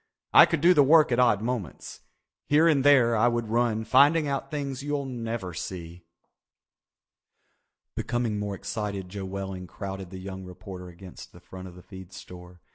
I could do the work at odd moments. Here and there I would run finding out things you'll never see." Becoming more excited Joe Welling crowded the young reporter against the front of the feed store.